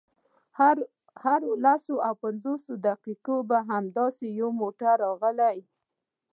هرو لسو یا پنځلسو دقیقو کې به همداسې یو موټر راغی.